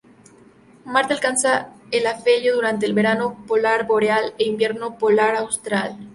Marte alcanza el afelio durante el verano polar boreal e invierno polar austral.